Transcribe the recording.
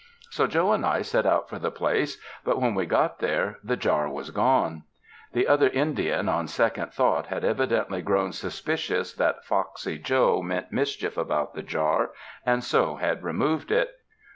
So Joe and I set out for the place; but when we got there the jar was gone. The other Indian on second thought had evidently grown suspicious that foxy Joe meant mischief about the jar and so had removed it.